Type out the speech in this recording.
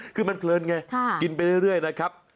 คือมันเพลินไงกินไปเรื่อยนะครับ